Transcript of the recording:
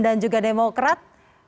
dan juga demokrat